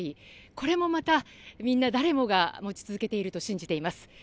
これもまた、みんな誰もが持ち続けていると信じています。